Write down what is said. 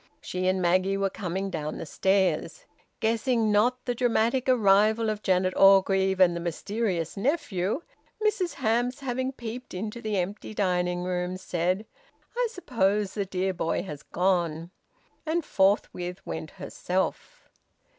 She and Maggie were coming down the stairs. Guessing not the dramatic arrival of Janet Orgreave and the mysterious nephew, Mrs Hamps, having peeped into the empty dining room, said: "I suppose the dear boy has gone," and forthwith went herself.